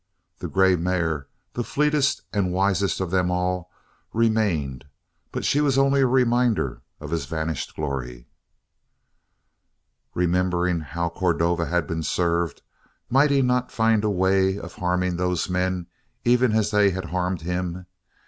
The grey mare, the fleetest and the wisest of them all, remained; but she was only a reminder of his vanished glory. Remembering how Cordova had been served, might he not find a way of harming those men even as they had harmed him?